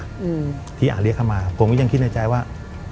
ที่อาหารเรียกเขามาผมก็ยังคิดในใจว่า